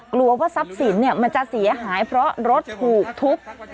กลัวว่าทรัพย์สินมันจะเสียหายเพราะรถถูกทุบ